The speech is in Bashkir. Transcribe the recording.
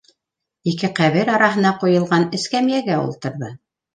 Ике ҡәбер араһына ҡуйылған эскәмйәгә ултырҙы.